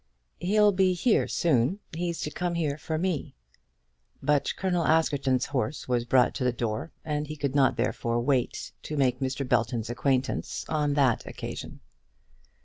"He'll be here soon. He's to come here for me." But Colonel Askerton's horse was brought to the door, and he could not therefore wait to make Mr. Belton's acquaintance on that occasion.